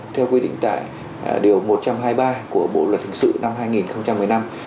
theo quy định tại điều một trăm hai mươi ba của bộ luật hình sự năm hai nghìn một mươi năm